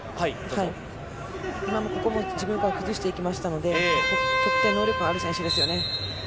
ここも自分から崩していきましたので得点能力がある選手ですよね。